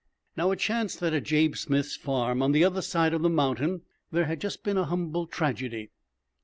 Now, it chanced that at Jabe Smith's farm, on the other side of the mountain, there had just been a humble tragedy.